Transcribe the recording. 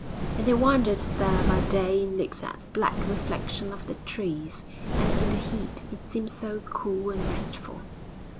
And they wandered there by day and looked at the black reflection of the trees. And in the heat it seemed so cool and restful....